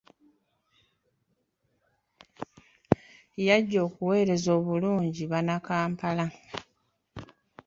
Y'ajja okuweereza obulungi banna kampala.